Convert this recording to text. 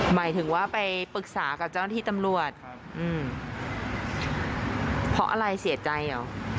หมายถึงว่าไปปรึกษากับเจ้าหน้าที่ตำรวจเพราะอะไรเสียใจเหรอ